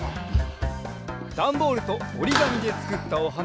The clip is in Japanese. ダンボールとおりがみでつくったおはな